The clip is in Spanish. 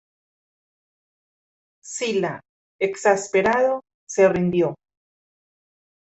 Sila, exasperado, se rindió.